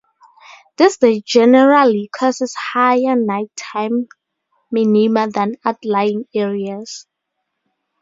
This generally causes higher night-time minima than outlying areas.